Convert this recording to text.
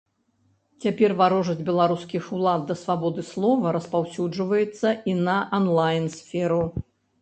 Цяпер варожасць беларускіх улад да свабоды слова распаўсюджваецца і на анлайн-сферу.